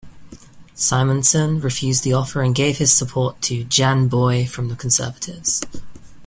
Simonsen refused the offer and gave his support to Jan Boye from the Conservatives.